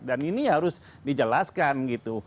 dan ini harus dijelaskan gitu